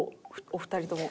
お二人とも。